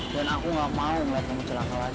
dan aku gak mau melihat kamu celaka lagi